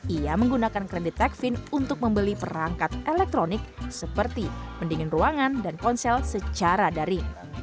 ia menggunakan kredit techfin untuk membeli perangkat elektronik seperti pendingin ruangan dan ponsel secara dari